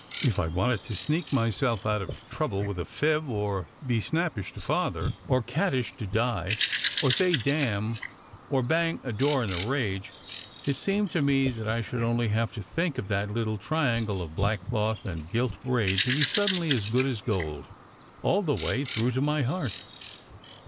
If I wanted to sneak myself out of trouble with a fib, or be snappish to Father or cattish to Di, or say "damn," or bang a door in a rage, it seemed to me that I should only have to think of that little triangle of black cloth and gilt braid to be suddenly as good as gold, all the way through to my heart.